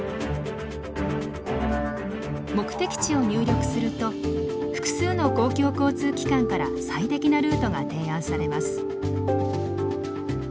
目的地を入力すると複数の公共交通機関から最適なルートが提案されます。